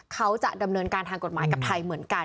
เขาจะดำเนินการทางกฎหมายกับไทยเหมือนกัน